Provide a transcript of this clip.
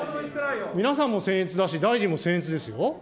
皆さんもせん越だし、大臣もせんえつですよ。